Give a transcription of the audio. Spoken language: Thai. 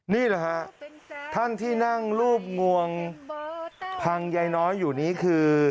นี่แหละฮะท่านที่นั่งรูปงวงพังยายน้อยอยู่นี้คือ